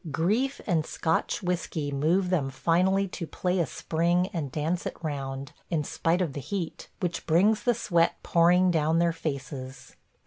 Grief and Scotch whiskey move them finally to "play a spring and dance it round" in spite of the heat, which brings the sweat pouring down their faces.